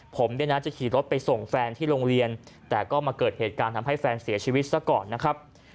ผมเนี่ยนะจะขี่รถไปส่งแฟนที่โรงเรียนแต่ก็มาเกิดเหตุการณ์ทำให้แฟนเสียชีวิตซะก่อนนะครับ